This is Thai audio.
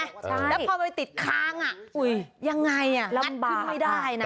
ใช่แล้วพอไปติดค้างอ่ะยังไงอ่ะงั้นขึ้นไม่ได้นะ